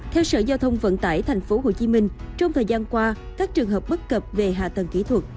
theo sở giao thông vận tải tp hcm trong thời gian qua các trường hợp bất cập về hạ tầng kỹ thuật